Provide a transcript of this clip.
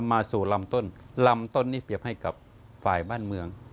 มาสู่ลำต้นลำต้นนี้เปรียบให้กับฝ่ายบ้านเมือง